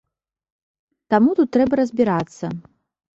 Таму тут трэба разбірацца.